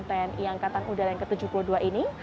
tni angkatan udara yang ke tujuh puluh dua ini